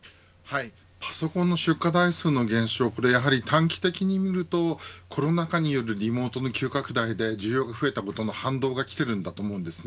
これやはり短期的に見るとコロナ禍によるリモートの急拡大で需要が増えたことの反動がきていると思います。